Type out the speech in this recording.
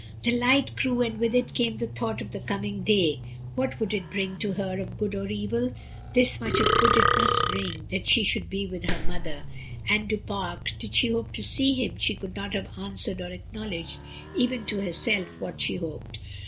The light grew, and with it came the thought of the coming day, what would it bring to her, of good or evil? This much of good it must bring, that she should be with her mother. And Du Pare, did she hope to see him? She could not have answered or acknowledged, even to herself, what she hoped.